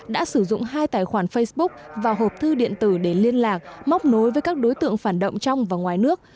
đã sử dụng hai tài khoản facebook và hộp thư điện tử để liên lạc móc nối với các đối tượng phản động trong và ngoài nước